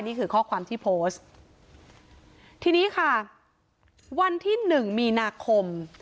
นี่คือข้อความที่โพสต์ทีนี้ค่ะวันที่หนึ่งมีนาคม